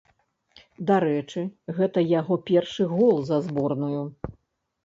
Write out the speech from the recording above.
Дарэчы, гэта яго першы гол за зборную.